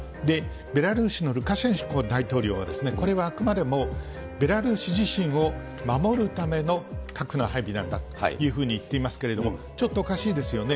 ベラルーシのルカシェンコ大統領は、これはあくまでもベラルーシ自身を守るための核の配備なんだというふうに言っていますけれども、ちょっとおかしいですよね。